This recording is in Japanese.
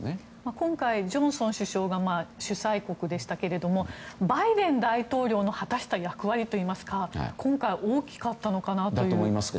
今回、ジョンソン首相が主催国でしたけどもバイデン大統領の果たした役割といいますか今回大きかったでしょうか。